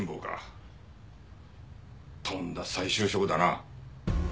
とんだ再就職だな。